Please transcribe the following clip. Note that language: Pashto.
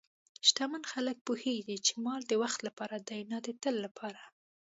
شتمن خلک پوهېږي چې مال د وخت لپاره دی، نه د تل لپاره.